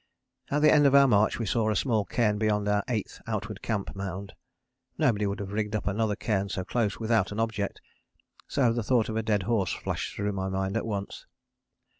At the end of our march we saw a small cairn beyond our 8th outward camp mound. Nobody would have rigged up another cairn so close without an object, so the thought of a dead horse flashed through my mind at once.